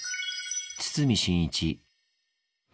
堤真一。